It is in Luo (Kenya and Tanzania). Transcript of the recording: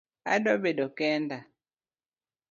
Adwa bedo kenda